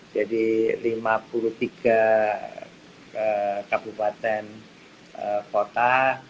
jadi lima puluh tiga kabupaten kota